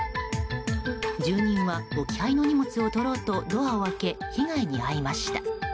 住人は置き配の荷物を取ろうとドアを開け、被害に遭いました。